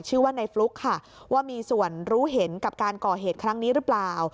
ชื่อว่าในฟลุ๊กค่ะว่ามีส่วนรู้เห็นกับการก่อเหตุครั้งนี้หรือเปล่า